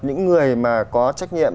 những người mà có trách nhiệm